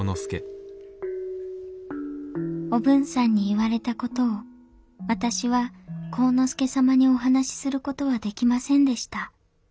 おぶんさんに言われた事を私は晃之助様にお話する事はできませんでした。